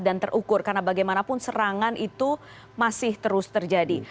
dan terukur karena bagaimanapun serangan itu masih terus terjadi